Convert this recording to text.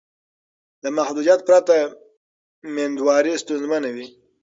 له محدودیت پرته میندواري ستونزمنه وي.